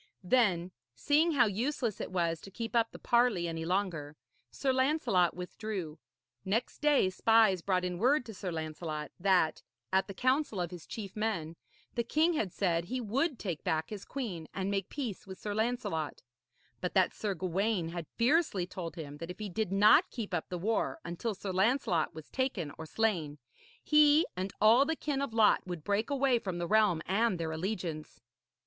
Then, seeing how useless it was to keep up the parley any longer, Sir Lancelot withdrew. Next day spies brought in word to Sir Lancelot that, at a council of his chief men, the king had said he would take back his queen and make peace with Sir Lancelot; but that Sir Gawaine had fiercely told him that if he did not keep up the war until Sir Lancelot was taken or slain, he and all the kin of Lot would break away from the realm and their allegiance.